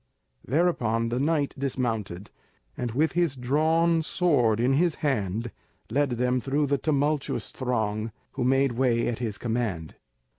Thereupon, the knight dismounted, and with his drawn sword in his hand, led them through the tumultuous throng, who made way at his command.